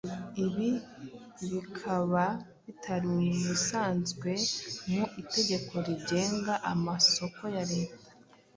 ibi bikaba bitari bisanzzwe mu itegeko rigenga amasoko ya Leta.